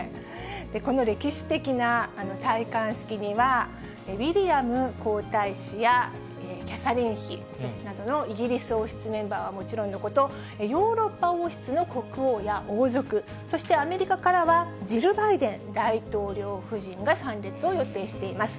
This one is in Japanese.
この歴史的な戴冠式には、ウィリアム皇太子やキャサリン妃などのイギリス王室メンバーはもちろんのこと、ヨーロッパ王室の国王や王族、そしてアメリカからはジル・バイデン大統領夫人が参列を予定しています。